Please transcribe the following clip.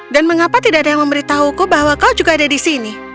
dan mengapa tidak ada yang memberitahuku bahwa kau juga ada di sini